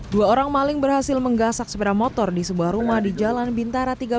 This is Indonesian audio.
dua orang maling berhasil menggasak sepeda motor di sebuah rumah di jalan bintara tiga puluh